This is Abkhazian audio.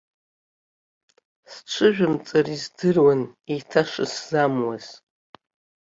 Сҽыжәымҵыр, издыруан еиҭашысзамуаз.